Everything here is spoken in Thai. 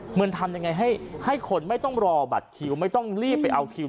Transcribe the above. ทำยังไงให้คนไม่ต้องรอบัตรคิวไม่ต้องรีบไปเอาคิว